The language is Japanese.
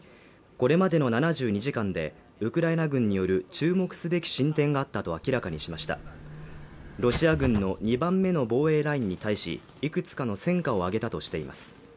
これまでの７２時間でウクライナ軍による注目すべき進展があったと明らかにしましたロシア軍の２番目の防衛ラインに対しいくつかの戦果を挙げたとしています